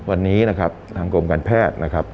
วันนี้นะครับทางกรมการแพทย์นะครับ